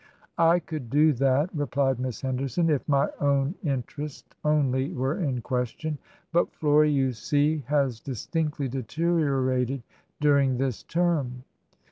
" I could do that," replied Miss Henderson, " if my own interest only were in question. But Florie, you see, has distinctly deteriorated during this term."